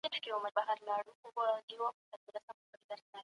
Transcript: ټولنه به د بدلون په حال کي وي.